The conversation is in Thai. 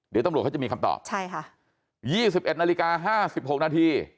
เดี๋ยวตำลวจเขาจะมีคำตอบใช่ค่ะยี่สิบเอ็ดนาฬิกาห้าสิบหกนาที